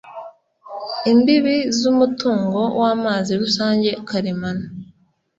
imbibi z umutungo w amazi rusange karemano